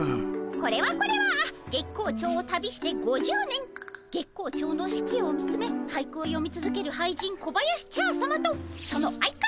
これはこれは月光町を旅して５０年月光町の四季を見つめ俳句をよみつづける俳人小林茶さまとその相方